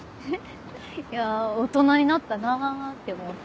いや大人になったなぁって思って。